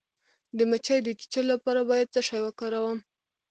د مچۍ د چیچلو لپاره باید څه شی وکاروم؟